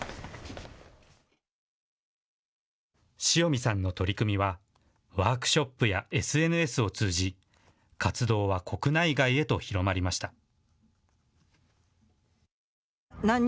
しおみさんの取り組みはワークショップやＳＮＳを通じ活動は国内外へと広まりました。